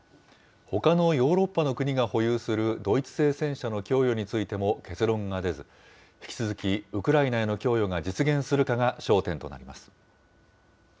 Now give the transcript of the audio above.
ほかのヨーロッパの国が保有するドイツ製戦車の供与についても結論が出ず、引き続き、ウクライナへの供与が実現するかが焦点となります。